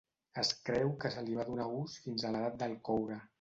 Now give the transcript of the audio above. Es creu que se li va donar ús fins a l'Edat del Coure.